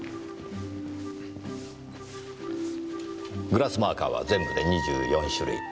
グラスマーカーは全部で２４種類。